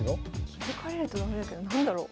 気付かれると駄目だけど何だろう？